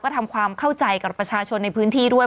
ทำความเข้าใจกับประชาชนในพื้นที่ด้วย